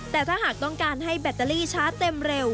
แต่ถ้าหากต้องการให้แบตเตอรี่ช้าเต็มเร็ว